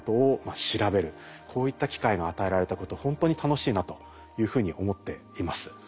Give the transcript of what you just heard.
こういった機会が与えられたことほんとに楽しいなというふうに思っています。